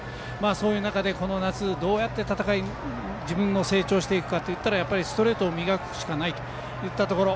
そういう中でこの夏どうやって自分が成長していくかというとストレートを磨くしかないといったところ。